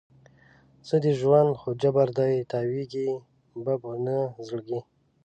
څه دی ژوند؟ خو جبر دی، تاویږې به په نه زړګي